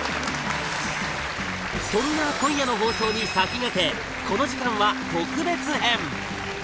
そんな今夜の放送に先駆けこの時間は特別編